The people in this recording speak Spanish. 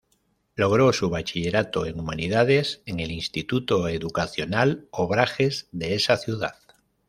Logró su bachillerato en Humanidades en el "Instituto Educacional Obrajes" de esa ciudad.